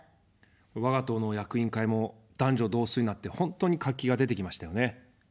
我が党の役員会も男女同数になって本当に活気が出てきましたよね。